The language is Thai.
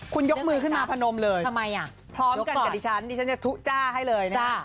คุณยกมือขึ้นมาพนมเลยทำไมอ่ะพร้อมกันกับดิฉันดิฉันจะทุจ้าให้เลยนะ